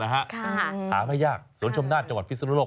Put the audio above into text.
หาไม่ยากสวนชมนาศจังหวัดพิศนุโลก